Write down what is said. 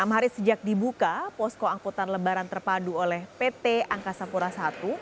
enam hari sejak dibuka posko angkutan lebaran terpadu oleh pt angkasa pura i